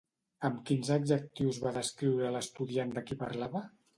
Amb quins adjectius va descriure l'estudiant de qui parlava?